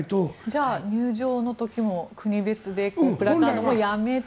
じゃあ入場の時も国別でプラカードもやめて。